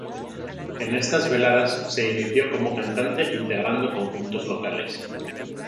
En estas veladas se inició como cantante integrando conjuntos locales.